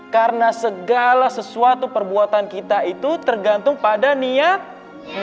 karena segala sesuatu perbuatan kita itu tergantung pada niatnya